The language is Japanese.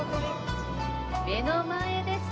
目の前です！